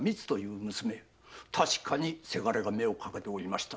確かにせがれが目をかけておりました。